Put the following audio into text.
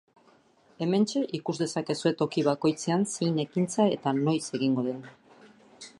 Hementxe ikus dezakezue toki bakoitzean zein ekintza eta noiz egingo den.